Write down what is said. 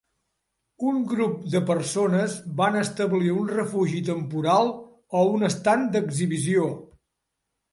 Un grup de persones van establir un refugi temporal o un estand d'exhibició.